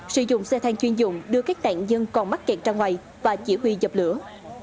sử dụng xe thang chuyên dụng đưa các nạn nhân còn mắc kẹt ra ngoài và chỉ huy dập lửa